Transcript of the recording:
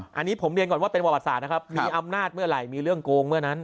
อันนี้ผมเรียนก่อนว่าเป็นประวัติศาสตร์นะครับมีอำนาจเมื่อไหร่มีเรื่องโกงเมื่อนั้น